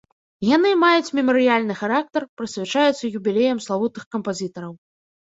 Яны маюць мемарыяльны характар, прысвячаюцца юбілеям славутых кампазітараў.